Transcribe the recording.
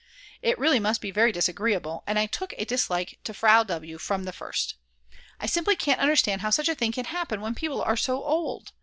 It really must be very disagreeable, and I took a dislike to Frau W. from the first. I simply can't understand how such a thing can happen when people are so old.